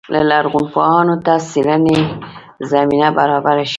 لرغونپوهانو ته څېړنې زمینه برابره شي.